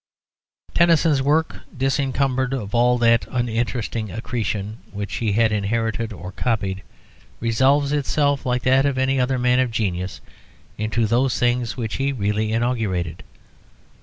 Tennyson's work, disencumbered of all that uninteresting accretion which he had inherited or copied, resolves itself, like that of any other man of genius, into those things which he really inaugurated.